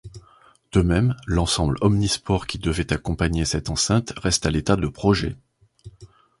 De même, l'ensemble omnisports qui devait accompagner cette enceinte reste à l'état de projet.